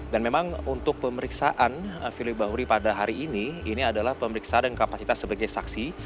dan memang untuk pemeriksaan firly bahuri pada hari ini ini adalah pemeriksaan dengan kapasitas sebagai saksi